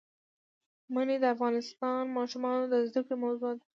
منی د افغان ماشومانو د زده کړې موضوع ده.